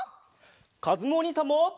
かずむおにいさんも。